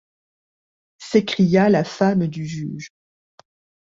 S’écria la femme du juge.